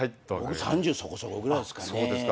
僕３０そこそこぐらいっすかね。